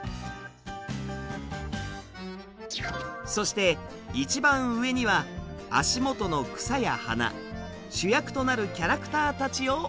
そして一番上には足元の草や花主役となるキャラクターたちを置きます。